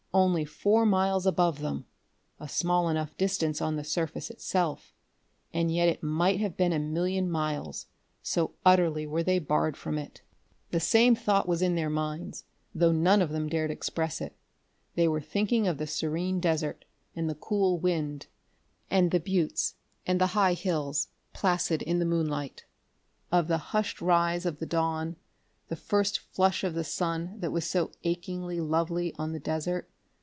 Only four miles above them a small enough distance on the surface itself and yet it might have been a million miles, so utterly were they barred from it.... The same thought was in their minds, though none of them dared express it. They were thinking of the serene desert, and the cool wind, and the buttes and the high hills, placid in the moonlight. Of the hushed rise of the dawn, the first flush of the sun that was so achingly lovely on the desert.